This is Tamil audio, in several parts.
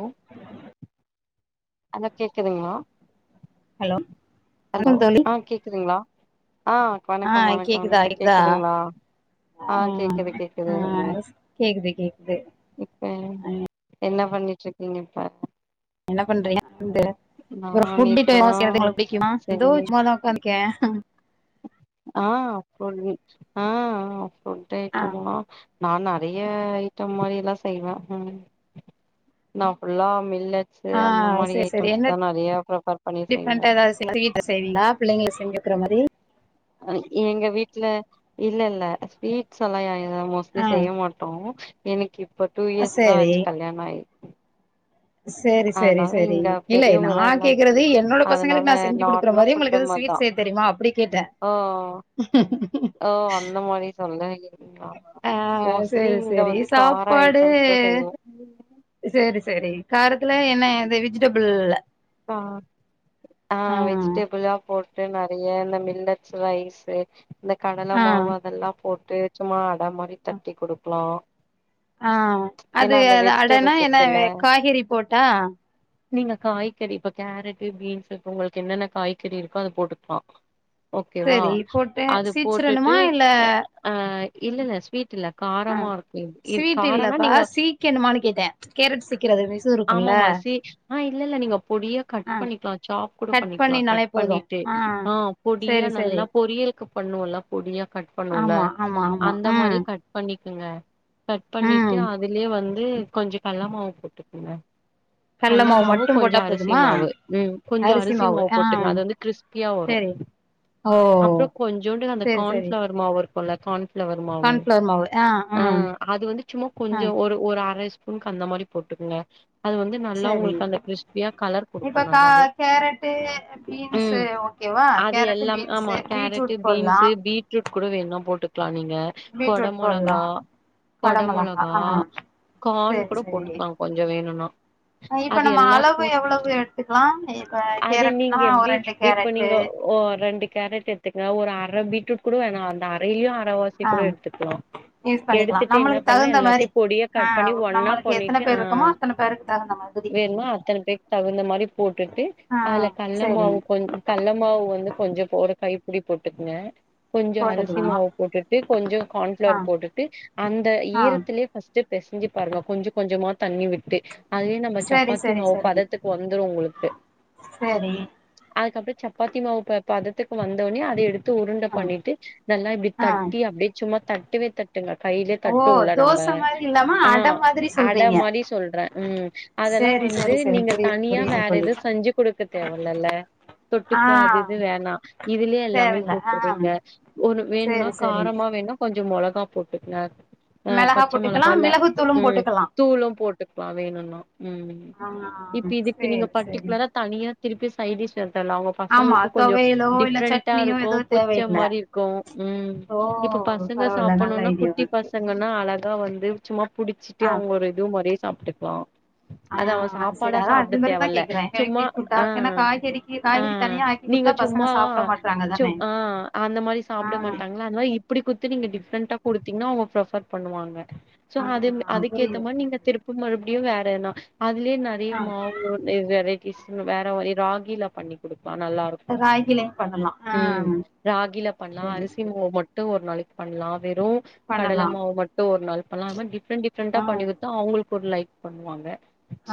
ஹலோ ஹலோ கேக்குதுங்ளா ஹலோ ஹலோ வணக்கம் தோழி ஆ கேக்குதுங்ளா ஆ ஆ வணக்கம் வணக்கம் கேக்குதா வணக்கோ கேக்குதா கேக்குதுங்ளா ஆ கேக்குது கேக்குதுங் ஆ கேக்குது கேக்குது இப்ப என்ன பண்ணிட்டு இருக்கீங்க இப்ப என்ன பண்றிங்க து அப்ரோ நான் இப்பதா ஃபுட்டு சரி [unintelligible] கே ஆ புட் ஆ புட் ஆ ஐட்டம்மல்லா நா நெறய ஐட்டம் மாரில்லா செய்வே நா புல்லா மில்ல ஸு ஆ அந்த மாரி செரி ஐட்டம்ஸ் தா நெறய ப்ரிபர் பண்ணி செய்வோ [unintelligible] செய்விங்ளா பிள்ளைங்களுக் செஞ்சுக்கிற மாரி அ எங்க வீட்ல இல்ல இல்ல ஸ்வீட்ஸ் எல்லா ஏ மோஸ்ட்லி ஆ செய்ய மாட் டோ எனக்கு இப்ப டூ இயர்ஸ் தா செரி ஆச்சு கல்யாண ஆயி சேரி சேரி அதனால சேரி இங்க இல்லநா பெரியவங்கதா எல்லாமே கேக்குறது என்னோட பசங்ளுக்கு அதனால நா செஞ்சு குடுக்குற நார்மலா மாரி உங்ளுக்கு ஃபுட்டு எது மாரிதா சுவீட் செய்ய தெரிமா அப்டி கேட்டே ஓ ஓ அந்த மாரி சொல்லைங் ஆ சரி சரி வந்து கார சாப்பாடு ஐட்டம்ஸ் தா செய்வோ சரி சரி காரத்துல என்ன எது விஜிடெபிள்ள ஆ ஆ வெஜிடபிளா போட்டு ட்டு நெறைய இந்த மில்லட்ஸ் ரைஸ் இந்த கடல ஆ மாவு அதெல்லா போட்டு சும்மா அட மாரி தட்டி குடுக்லா ஆ அது அது அடனா என்ன இருக்குல்ல காய்கறி போட்டா நீங்க காய்கறி இப்ப கேரட்டு பீன்ஸ் இப்ப உங்ளுக்கு என்னென்ன காய்கறி இருக்கோ அது போட்டுக்லா ஓகேவா சேரி போட்டு அது போட்டுட்டு சீச்சிரணுமா இல்ல ஆ‌ இல்ல இல்ல ஸ்வீட் இல்ல ஆ காரமாருக்கு இது இ ஸ்வீட் காரோனா இல்லப்பா நீங்க சீக்கணுமானு கேட்டே கேரட் சீக்கறது விசு இருக்குல்ல ஆமாம்மா சி ஆ இல்ல இல்ல நீங்கப் பொடியா கட் ஆ பண்ணிக்லா சாப் கூட கட் பண்ணிக்லா பண்ணினாலே கட் போது பண்ணிட்டு ஆ பொடியா சேரி சேரி நல்லா பொரியலுக்கு பண்ணுவோல்ல பொடியா கட் பண்ணுவோல்ல ஆமா ஆமா ஆமா அந்த ம் மாரியே கட் பண்ணிகங்க கட் பண்ணிட்டு ம் அதுலயே வந்து கொஞ்சோ கல்ல மாவு போட்டுக்கங்க கல்ல மாவு மட்டு கொஞ்சோ போட்டா அரிசு சி போதுமா மாவு ம் கொஞ்சோ அரிசி மாவு போட்டுங்க அது வந்து கிறிஸ்பியா வரு சேரி ஓ அப்ரோ கொஞ்சோண்டு அந்த சேரி சேரி கார்ன்ப்ளவர் மாவு இருக்கும்ல்ல கார்ன் ளவர் மாவு ஆ அது வந்து சும்மா ஆ கொஞ்சோ ஒரு ஒரு அர ஸ்பூனுக்கு அந்த மாரி போட்டுக்கங்க அது வந்து நல்லா சரி உங்களுக்கு அந்த கிஸ்பியா இப்ப கா கேரட்டு பீன்ஸு ம் ஓகேவா அது கேரட்டு் எல்லாம் ஆமா பீன்ஸு கேரட்டு பீட்ரூட் போட்லா பீன்ஸு பீட்ரூட் கூட வேணுனா போட்டுக்லா நீங்க கொட பீட்ரூட் மொளகா போட்லா கொட கொடமொளகா மொளகா ஆ கான் சேரி கூட போட்டுக்களா கொஞ்சோ வேணுனா அ இப்ப அது நம்ம எல்லா அளவு போட் எவ்வளவு எடுத்துக்லா அது நீங்க எப்டி இப்ப நீங்க ஓ ரெண்டு கேரட் எட் த்துங்க ஒரு அர பீட்ரூட் கூட வேணா அந்த அரைளயு அரவாசியை ஆ கூட எட்துக்லா யூஸ் பண்ணிக்கலா எடுத்துட்டு என்ன நம்மளுக்கு பண்ணு தகுந்த மாரி எல்லாத்தையு பொடியா ஆ கட் பண்ணி ஒன்னா நம்மளுக்கு எத்தன பண்ணிட்டு பேர் அ இருக்கமோ அத்தன பேருக்கு தகுந்த மாதிரி வேணும்மா அத்தனை பேருக்கு தகுந்த மாரி போட்டுட்டு ஆ அதுல கள்ள சரி மாவு கொஞ் கள்ள மாவு வந்து கொஞ்சம் போட கைப்பிடி போட்டுக்கங்க கொஞ்சம் அரிசி போட்டுக்கலா மாவு போட்டுட்டு கொஞ்சம் ஆ கார்ன்ஃப்ளவர் போட்டுட்டு அந்த ஆ ஈரத்திலயே ஃபர்ஸ்ட் பெசிஞ்சு பாருங்க கொஞ்சம் கொஞ்சமா தண்ணி விட்டு அதுவே நம்ம சரி சப்பாத்தி சரி மாவு சரி வந்துரும் உங்களுக்கு சரி அதுக்கப்பறம் சப்பாத்தி மாவு பதத்துக்கு வந்தோனே அத எடுத் ட்டு உருண்ட ஆ பண்ணிட்டு நல்லா இப்டி ஆ தட்டி அப்டியே சும்மா தட்டுவே தட் டுங்க கையிலயே ஓ தட்டுவுல நம்ம தோச மாரி இல்லாம ஆ அட மாதிரி அட சொல்றீங்க மாரி சொல்றேன் ம் அதெல்லாம் சேரி வந்து சேரி சேரி நீங்க புரியுது தனியா புரியுது வேற தோழி எதுவும் செஞ்சு குடுக்க தேவ இல்லல ஆ தொட்டுக்க அது இது வேணாம் இதுலயே எல்லாமே தேவல்ல ஆ போட்டுருவீங்க ஒரு வேணும்னா சேரி சேரி காரமா வேணும் கொஞ்சம் மொளகா போட்டுக்குங்க அ மெளகா பச்ச போட்டுக்கலா மிளகா இல்ல மிளகுத்தூளும் ம் போட்டுக்கலா தூளும் போட்டுக்கலாம் வேணும்னா ம் ஆ இப்பி இதுக்கு நீங்க சேரி சேரி பர்டிகுலரா தனியா திருப்பி சைடிஸ்லாம் செய் தேவ இல்ல அவங்க ஆமா பசங்களுக்கும் கொஞ்சம் தொவையலோ இல்ல டிஃப்ரெண்டா சட்னியோ இருக்கும் எதுவு புச்ச தேவையில்ல மாரி இருக்கும் ம் ஓ இப்ப பசங்க பரவால்ல நல்ல சாப்பணும்னா ஐடியாவா குட்டி இருக்கு பசங் இல்லனா அழகா வந்து சும்மா புடிச்சிட்டு ஆ அவங்க ஒரு இது மாரியே சாப்பிட்டுக்கலாம் அத அவன் ஆ சாப் சரி பாடா அதா சாப்பிட அது தேவ மாரிதா இல்ல கேக்குறே சும்மா ஹெல்தி ஃபுட்டா ஆ ஏன்னா காய்கறிக்கு ஆ காய்கறி தனியா ஆக்கி நீங்க குடுத்தா பசங்க சும்மா சாப்ட மாட்றாங்க சும் தானே ஆ அந்த மாரி சாப்பிட ஆ மாட்டாங்க இல்லாம இப்டி குடுத்து நீங்க டிஃப்ரெண்டா குடுத்தீங்கன்னா அவங்க பஃபர் பண்ணுவாங்க சோ ஆ அது அதுக்கேத்த புரியுது மாரி நீங்க புரியுது திருப்பு மறுபடியும் வேறனா அதுலயே நா நிறைய ஆ மாவு வெரைட்டிஸ் வேற ராகில பண்ணி குடுப்ப நல்லா இருக்கும் ராகிலயு பண்ணலா ஆ ம் ராகில பண்ணலாம் சரி அரிசி சரி மாவு மட் ட்டும் ஒரு நாளைக்கு பண்லாம் வெறும் கடல பண்ணலா மாவு மட்டும் ஒரு நாளுக்குக்கு பண்ணலாம் அத மாரி டிப்ரெண்ட் ஆ டிஃபரண்டா பண்ணி குத் த்தா அவங்களுக்கு ஒரு லைக் பண்ணுவாங்க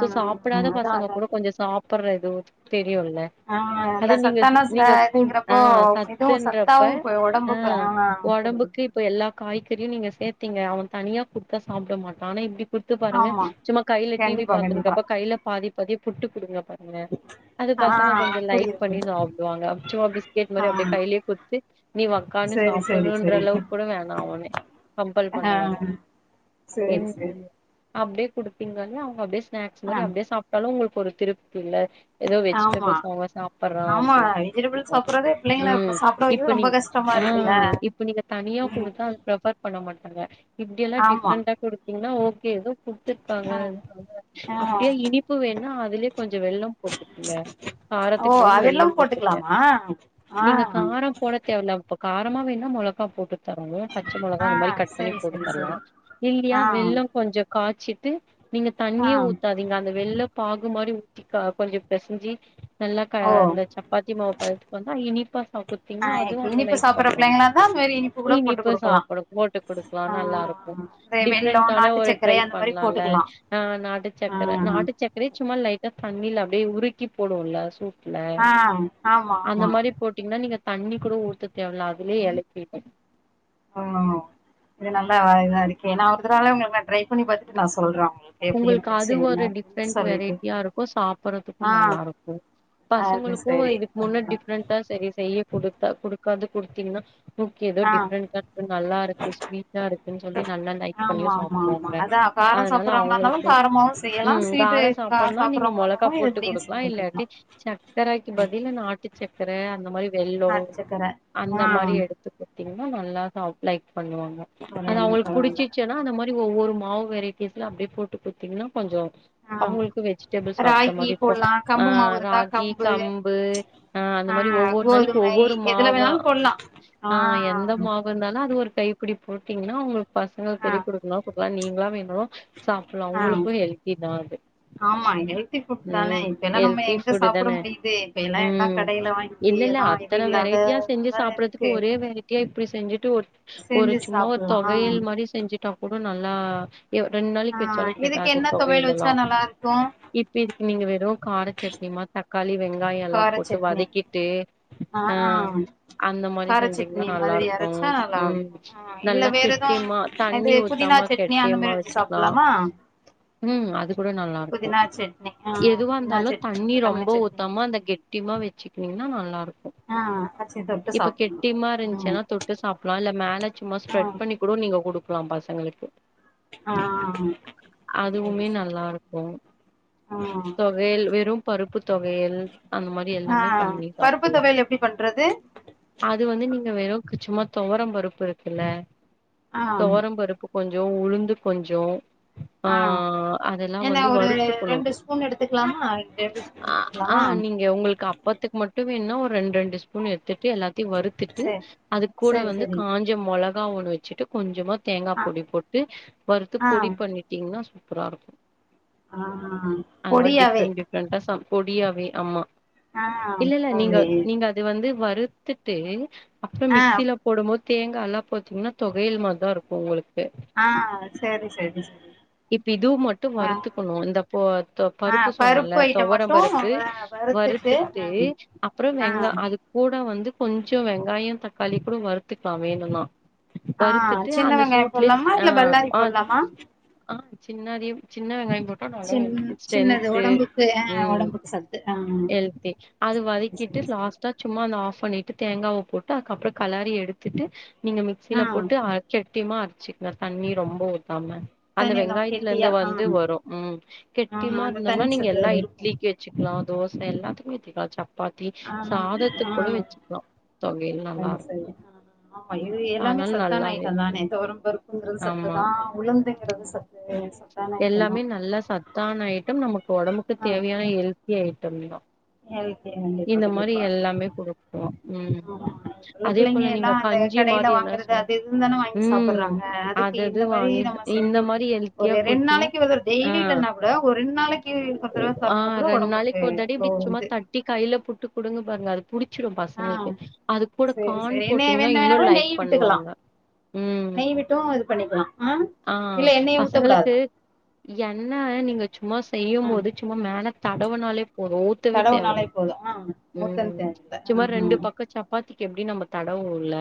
சோ சாப்டாத அதா பசங்க அதா கூட கேட்டே. கொஞ்சோ சாப்படுற இதுவு தெரியும்ல ஆ இல்ல அது நீங்க சத்தான ச நீங்க வுட் இதுங்கிறப்போ ஆஹ இதுவு சத்துன்றப்ப சத்தாவு போய் ஒடம்புக்கு ஆஹ ஆ புரியுது உடம்புக்கு இப்ப எல்லா காய்கறியு நீங்க சேர்த்தீங்க அவன் தனியா கொடுத்தா சாப்பிட மாட்டா ஆனா இப்டி குடுத்து பாருங்க ஆமா சும்மா கையில டிவி கண்டிப்பா கண்டிப்பா பார்த்துன்னப்ப கையில பாதி பாதி புட்டு குடுங்க பாருங்க அது ஆ பசங்க கொஞ்சோ லைக் புரியுது பண்ணி புரியுது சாப்பிடுவாங்க சும்மா பிஸ்கெட் ஆ மாரி அப்டியே கையிலேயே கொடுத்து நீ வக்கானனு சரி சரி சாப்பணும்ன்ற சரி அளவுக்கு கூட வேணா அவனே கம்பல் பண்ண வேண்டா சேரி சேரி அப்டியே குடுப்பீங்களே அவங்க அப்டியே ஸ்நாக்ஸ் மாரி ஆ அப்டியே சாப்பிட்டாலு உங்களுக்கு ஒரு திருப்தி இல்ல ஏதோ ஆமா வெஜிடபிள்ஸ் அவங்க சாப்படுறா ஆமா வெஜிடபிள் அப்டின்றதிக்கு சாப்பிடறதே பிள்ளைங்கள இப்ப ம் சாப்பிட இப்ப வைக்கிறது நீ ரொம்ப கஷ்டமா இருக்குல்ல ஆஹ இப்ப நீங்க தனியா ம் போடுதா அது பிரப்பர் பண்ண மாட்டாங்க இப்டிய எல்லா ஆமா டிப்ரெண்டா குடுத்தீங்கன்னா ஓகே ஏதோ குடுத்துருக்காங்க ஆ ஆ அப்டியா இனிப்பு வேணா அதுலயே கொஞ்சே வெள்ள போட்டுக்குவே ஓ அதெல்லா போட்டுக்கலாமா நீங்க ஆஹ காரம் போட தேவையிலா இப்ப காரமா வேணா மிளகா போட்டு தாரங்க பச்சை ஆ மிளகா இந்த மாரி கட் பண்ணி சரி போட்டு சரி தரலா சரி இல்லேயா ஆ வெள்ள கொஞ்சோ காய்ச்சிட்டு நீங்க ஆ தண்ணியே ஊத்தாதீங்க அந்த வெள்ள பாகு மாரி ஊத்திக்க கொஞ்சோ பிசைஞ்சு நல்லா ஓ அந்த சப்பாத்தி மாவுப்பறத்துக்கு வந்தா இனிப்பா ஆ குடுத்தீங்கன்னா அதுவு அவங்க இனிப்பு லைக் சாப்பிடற பண்ணுவாங்க பிள்ளைங்களா இருந்தா அந்த மாரி இனிப்பு கூட போட்டு இனிப்ப குடுக்கலா சாப்பிட போட்டு குடுக்கலா ஆ நல்லா இருக்கு இந்த வெல்லம் டிஃப்ரெண்டான நாட்டு ஒரு ட்ரை சக்கரை அந்த மாரி பண்ணலாம்ல போட்டுக்கலா ஆஹநாட்டு ஆ சக்கர நாட்டு சக்கரைய சும்மா லைட்டா தண்ணீல் அப்படியே உருக்கி போடுடும்ல சூப்பரா இருக்கு லா ஆ ஆமா அந்த ஆமா மாரி போட்டு இன்னா தண்ணி கூட ஊத்த தேவயில்லா அதுலயே ஏழப்பிட்டுபே ஆ இது நல்லா இதா இருக்கே நா ஒருத்தனாள உங்களுக்குல்ல ட்ரை பண்ணி பாத்துட்டு நா சொல்றே உங்களுக்கு எப்டி உங்ளுக்கு இருந்துச்சு அது என்ன ஒரு அப்டின்னு டிஃப்ரெண்ட் சொல்லிட்டு வெரைட்டியா இருக்கு சாப்டுறதுக்கு ஆ நல்லா இருக்கு அது பசங்களுக்கு சரி இதுக்கு முன்ன டிஃப்ரெண்டா செரி செய்ய குடுத்தா குடுக்காது குடுத்தீங்ன்னா குக் ஏதோ ஆ டிஃப்ரெண்டா இருக்கு நல்லா இருக்கு ஸ்வீட்டா இருக்கு சொல்லி நல்லா லைக் பண்ணியு ஆமா ஆமா ஆமா சாப்டுவாங்க அதா காரோ அதனால சாப்புட்றவங்களா இருந்தாலு அவ்ங்ளுக்கு காரமாவு செய்யலா ம் ஸ்வீட்டு கார கா சாப்புனா நீங்க சாப்புட்றவங்களா மொளகா இருந்தாலு இது போட்டு இப்டியு குடுக்லா செஞ்சு இல்லாட்டி குடுக்கலா சக்கரைக்கு பதிலா நாட்டு சக்கார அந்த மாரி வெள்ளொ நாட்டு சக்கர அந்த ஆ மாரி எடுத் இத்த பாத்திங்னா நல்லா சாப் லைக் பண்ணுவாங்க அத பரவால்ல அவ்ங்ளுக்கு பரவால்ல புடிசி செ ல்லா அந்த மாரி ஒவ்வொரு மாவு வெரைட்டிஸ்ல அப்டி போட்டு குடுத்தீங்ன்னா கொஞ்சொ ஆ அவ்ங்ளுக்கு வெஜ்டபிள் சாப்டட ராகி மாரி இருக்கு போட்லா ஆ கம்பு மாவு இருந்தா ராகி கம்பு ஆ அந்த மாரி ஒவ்வொரு நாளைக்கு கோதுமை ஒவ்வொரு எதுல மாவா வேணாலு போட்லா ஆ எந்த மாவ் இருந்தானா அது ஒரு கைப்பிடி போட்டீங்ன்னா உங்ளுக்கு பசங்க ஆ தெரி குடுக்லா குற்க்லா நீங்ளா வேணு சாப்புலா ஆ உங்ளுக்கு ஹெல்தி தா அது ஆமா ஹெல்தி ஃபுட் தானே ம் இப்ப என்ன நம்ம ஹெல்தி எங்க ஃபுட்டு சாப்ட முடியுது இப்ப எல்லா எல்லா கடைல வாங்கி இல்லல எல்லா இது அத்தன இல்லாத வெரைட்டியா செஞ்சு அதா சாப்றதுக்கு இருக்கு ஒரே வெரைட்டியா இப்டி செஞ்சிட்டு ஒரு ஒரு செஞ்சு சும்மா ஒர் சாப்பிடலா ஆ தொகையல் மாரி செஞ்சிட்டா கூட நல்லா யெ ரெண் ஆ, நாளைக்கு வச்சாலு இதுக்கு கெடாது என்ன தொகைய துவையல் எல்லா வச்சா நல்லா இருக்கு இப்ப இதுக்கு நீங்க வெறு கார சட்னிமா தக்காளி வெங்காய எல்லா கார போட்டு சட்னி வதக்கிட்டு ஆ ஆ அந்த மாரி கார சட்னி செஞ்சீங்கன்னா நல்லா மாரி இருக்கு அரச்சா நல்லா ம் ஆ இல்ல நல்லா வேற எதா கெட்டியமா அது தண்ணி புதினா ஊத்தாம சட்னி அந்த கெட்டியமா மாரி வச்சு வச்சுக்கலா சாப்லாமா ம் அது கூட நல்லா இருக்கு சட்னி ஆ எதுவா புதினா இருந்தாலு சட்னி தண்ணி கொத்தமல்லி ரொம்ப சட்னி உத்தாம மா அந்த கெட்டிமா வச்சிக்கிங்ன்னா நல்லா இருக்கு ஆ வச்சு தொட்டு இப்ப சாப்பிடலா கெட் நல்லா யுமா இருக்கு ம் இருச்சுன்னா தொட்டு சாப்லா இல்ல மல சும்மா ஸ்ப்ரெட் ஆ பண்ணி [unintelligible] நீங்க குடுக்லா பசங்களுக்கு ஆ ஆ சரி அதுவுமே சரி நல்லாருக்கோ ஆ தொகையல் வெறு பருப்பு தொவைல் அந்த மாரி எல்லாமே ஆ பண்ணி பருப்பு சாப்ட்லா தொவையல் எப்டி பண்றது அது வந்து நீங்க வெறு சும்மா தொவரம் பருப்பு இருக்குல்ல ஆ தொவரம்பருப்பு கொஞ்சோ உளுந்து கொஞ்சோ ஆ அதெல்லா என்ன வந்து ஒரு வருத்துக்கணு ரெண்டு ஸ்பூன் எடுத்துக்கலாமா டேபிள் ஸ்பூன் ஆ ஆ எடுத்துக்கலாமா நீங்க உங்ளுக்கு அப் அப்பத்துக்கு மட்டு வேணுனா ஒரு ரெண் ரெண்டு ஸ்பூன் எடுத்துட்டு எல்லாத்தயு வறுத்துட்டு சேரி அது கூட சேரி வந்து சேரி காஞ் ஞ்ச மொளகா ஒண்ணு வெச்சிட்டு கொஞ்சமா தேங்கா ஆ பொடி போட்டு வருத்து ஆ பொடி பண்ணி டீங்னா சூப்பரா இருக்கு ஆ ஹ அது மாரி பொடியாவே [unintelligible] பொடியாவே ஆமா ஆ பரவாலயே அது வந்து வறுத்துட்டு அப்றோ ஆ மிக்சில போடுபோது தேங்கா எல்லா போத்தீங்னா தொகையல் மார்தா இருக்கு உங்ளுக்கு ஆ செரி செரி செரி இப்ப இதுவு மட்டு வருத்துக்கணு இந்த பொ தொ ஆ பருப்பு சொன்னல ஐட்டம் தொவர மட்டு பருப்பு வ வறுத்துட்டு அப்றோ ஆ ஆ வெங்கா அது கூட வந்து கொஞ்சோ வெங்காய தக்காளி கூட வறுத்துக்லா வேணுனா ஆ வறுத்துட்டு சின்ன அந்த வெங்காய சூட்லயே போட்லாமா ஆ இல்ல பல்லாரி ஆ போட்லாமா ஆ சின்ன அதிவு சின்ன வெங்காய போட் ட்டா சின் நல்லா சின்னது ஸ்ட்ரென்து ஒடம்புக்கு ஆ ம் ஒடம்புக்கு சத்து ஆ ஹெல்தி அது வதக்கிட்டு சரி சரி லாஸ் டா சும்மா அந்த ஆஃப் பண்ணிட்டு தேங்காவ போட்டு அதுக்கப்றோ கலாரி எடுத்துட்டு நீங்க ஆ மிக்சில போட்டு அ கெட்டிமா அரிச்சிக்னா தண்ணி ரொம்ப ஊத்தாம அந்த தண்ணிதா வெங்காயத்துல கெட்டியா இருந்து ஆ வந்து வரு உம் ஆ கெட்டிமா அந்த இருந்தம்னா தண்ணி நீங்க சத்து எல்லா அதுல இருக்கு இட்லிக்கு வெச்சுக்லா தோசை எல்லாத்க்கு வெச்சுக்லா சப் சப்பாத்தி ஆ சாதத்து ஆ கூட வெச்சிகலா தொவையில் அது நல்லாருக்கு சரி ஆ ஆமா இது எல்லாமே சத்தான அயிட்டம் தானே தொவரம்பருப் புங்கறது ஆமா சத்துதா உழுந்துங்கறது சத்து சத்தான ஐட்டந்தா எல்லாமே நல்லா சத்தான ஐட்டம் நமக்கு உடம்புக்கு தேவையான எல்தி ஐட்டம் தா எனக்கே இந்த மாரி எல்லமே குடுப்போ உம் உள்ள பிள்ளைங்க எல்லா அந்த கடைல வாங்கறது செஞ் அது இதுனு தானே வாங்கி ம் சாப்பறாங்க அதுக்கு அது அது இந்த மாரி வாங்கி நம்ம இந்த செஞ்சு மாரி ஹெல்த்தியா ஒரு ரெண் குடுத்தீங்கன்னா நாளைக்கு ஒரு ஆ டெய்லி இல்லைனா கூட ஒரு ரெண் நாளைக் [unintelligible] சாப்ட்டா கூட ஒடம்புக்கு அவ்ளோ இது அப்டி கைல புட்டு புடுங்குங் பாருங்க அது புடி ச்சிரு ஆ பசங்களுக்கு அது கூட சேரி கான் சேரி என்ன போட்டீங்னா வேணா வேணா இன்னு கூட லைக் நெய் விட்டுக்கலா பண்ணுவாங்க ம் நெய் விட்டு இது பண்ணிக்கலா ம் இல்ல எண்ணயே ஊத்தகூடாது எண்ண நீங்க சும்மா ம் செய்யும்போது சும்மா மேல தடவைனாலே போது வே தேவல தடவுனாலே போது ஆ உ ஊத்தன் தேவயில்ல ஆ சமா ரெண்டு பக்க ச ப்பாத்திக்கு எப்டியு நம்ம தடவுவோல்ல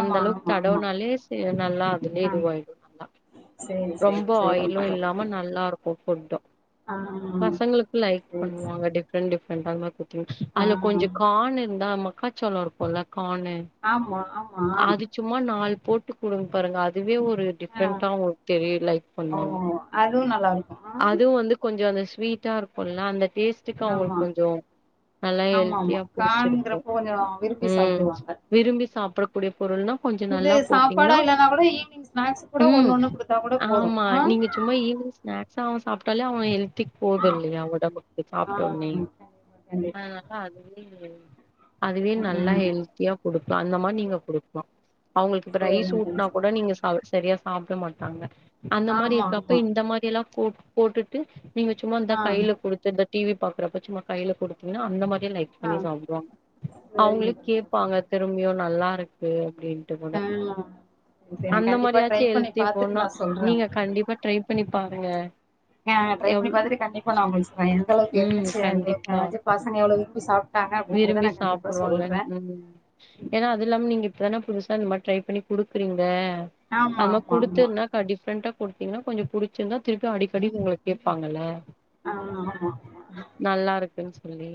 அந்த அளவுக் ஆமா ஆமா தடவுனாலே சே நல்லா அதலய ஆ இதுவாயிடு நல்லா சேரி சேரி ரொம்ப ஆயிலு சேரிங்க தோழி இல்லாம நல்லா இருக்கோ ஃபுட்டு ஆ பசங்ளுக்கு லைக் சேரி பண்ணுவாங்க டிஃப்ரெண்ட் டிஃப்ரெண்டா அந்த மாரி குடுத்திங்னா ஆ அதல கொஞ்ச கான் இருந்தா மக்கா சொல்லோ இருக்குல்ல காணு ஆமா ஆமா சும்மா நாள் போட்டு குடுங் பாருங்க அதுவே ஒரு ஆ டிப்ரென்ட்டா அவுங்ளுக் தெரிய லைக் ஓ பண்ணுவாங்க அதுவு நல்லா இருக்கு ஆ அதுவு வந்து கொஞ்ச அந்த வீட்டா இருக்குல்ல அந்த டேஸ் திக்கு ஆமா அவ்ங்களுக் கொஞ்ச நல்லா ஆமா ஆமா ஹெல்த்தியா புடிச்சிருக்கு காண்கிறப்போ கொஞ்சோ விரும்பி ம் சாப்டுவாங்க விரும்பி சாப்புடகூடிய பொருள்னா கொஞ்ச இது நல்லா போட்டீங்னா சாப்பாடா இல்லன்னா கூட ஈவினிங் ஸ்நாக்ஸ் கூட ம் ஒண்ணு ஒண்ணு குடுத்தா கூட போது ஆமா ஆ நீங்க சும்மா ஈவ்னிங் நேக்ஸ் அவ சாப்ட்டாலே அவ எல்தி போதுல்யா உடம்புக்கு ஆ சாப்ட்டோனே கண்டிப்பா அ அதா அதனால அதுவே [inaudible] அதுவே நல்லா கண்டிப்பா எல்தியா குடுப்ப அந்த மார் நீங்க குடுக்லா அவுங்கலுக் இப்ப ரைஸ் ம் ஊட்னா கூட சரிங்க தோழி நீங்க அவுர் சரியா சாட்ட மாட்டாங்க அந்த மாரி ஆமா இருகப்ப ஆமா இந்த மாரி எல்லா போட் போட்டுட்டு நீங்க சும்மா இந்த ஆ கைல குடுத்து இந்த டிவி பாக்குறப்ப சும்ம கைல குடுத்தீங்ன அந்த மாரி லைக் பண்ணி ஆ சாப்டுவாங் அவுங்ளோ சரிங்க தோழி கேப்பாங்க திரும்ப்யு நல்லாருக்கு அப்டின் அ மாரியாச்சு எல்த்தி போனா நா சொல்றே நீங்க உங்களுக்கு கண்டிப்பா ட்ரை பண்ணி பாருங்க ஏங்க ட்ரை எவ் பண்ணி பாத்துட்டு கண்டிப்பா நா உங்களுகு [unintelligible] எந்தளவுக் ம் கண்டிப்பா நல்லார்ந்துச்சி பசங்க எவ்ளோ விரும்பி சாப் காங்க அப்டின்றத விரும்பி நா கண்டிப்பா சாப்டுவாங்க சொல்ற ம் ம் ஏனா அதுல்லாம நீங்க இப்பதான புதுசா இந்த மார் ட்ரை பண்ணி குடுக்குறீங்க ஆமா அது மாரி ஆமா ஆமா குடுத்தத்னா டிஃப்ரெண்டா குடுத்தீங்னா கொஞ்ச புடிச்சிருந்தா திருப்யு அடிக்கடி உங்ள கேப்பாங்கல ஆம் ஆமா நல்லாருக்குன் சொல்லி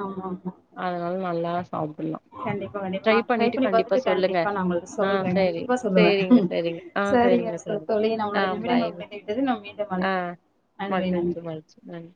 ஆமாமா அதனால நல்லா சாப்புல்லா கண்டிப்பா கண்டிப்பா நா ட்ரை பண்ணி பாத்துட்டு சொல்லுங்க கண்டிப்பா நா உங்கலுக்கு ஆ சொல்ற சேரி கண்டிப்பா சொல்லுவ சேரிங்க சேரிங்க ஆ சேரிங்க ச தோழி ஆ நம்முளோட பாய் நிமிடங்கள் முடிந்து விட்டது நம் மீண்டு ஆ அழைக்கிறே மகிழ்ச்சி மகிழ்ச்சி நன்